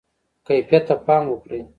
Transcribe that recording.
کیفیت ته پام وکړئ